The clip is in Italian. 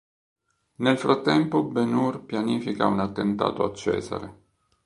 Nel frattempo Ben Hur pianifica un attentato a Cesare.